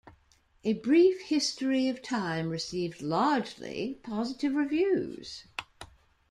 "A Brief History of Time" received largely positive reviews.